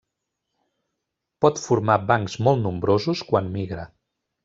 Pot formar bancs molt nombrosos quan migra.